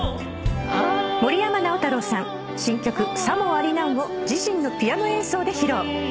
森山直太朗さん新曲『さもありなん』を自身のピアノ演奏で披露。